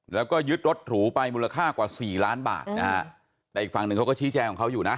แล้วก็ยึดรถหรูไปมูลค่ากว่าสี่ล้านบาทนะฮะแต่อีกฝั่งหนึ่งเขาก็ชี้แจงของเขาอยู่นะ